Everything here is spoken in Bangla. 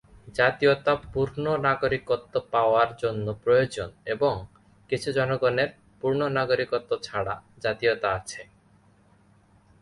জাতীয়তা পূর্ণ নাগরিকত্ব পাওয়ার জন্য প্রয়োজন এবং কিছু জনগনের পূর্ণ নাগরিকত্ব ছাড়া জাতীয়তা আছে।